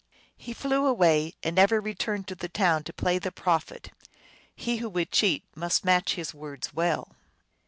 He flew away, and never returned to the town to play the prophet. He who would cheat must watch his words well.